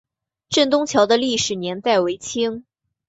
镇东桥的历史年代为清。